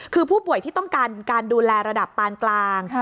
คือผู้ป่วยที่ต้องการการดูแลระดับปานกลาง